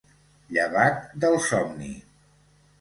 Llevat del somni.